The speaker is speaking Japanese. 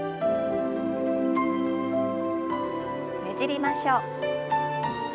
ねじりましょう。